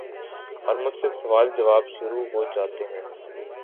اور مجھ سے سوال جواب شروع ہو جاتے ہیں ۔